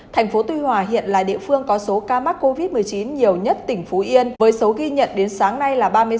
thành phố tuy hòa hiện là địa phương có số ca mắc covid một mươi chín nhiều nhất tỉnh phú yên với số ghi nhận đến sáng nay là ba mươi sáu